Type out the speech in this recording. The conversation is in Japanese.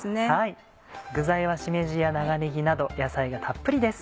具材はしめじや長ねぎなど野菜がたっぷりです。